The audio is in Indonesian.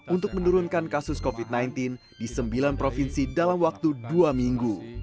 untuk menurunkan kasus covid sembilan belas di sembilan provinsi dalam waktu dua minggu